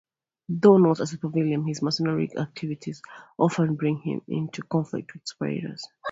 Though not a supervillain, his mercenary activities often bring him into conflict with superheroes.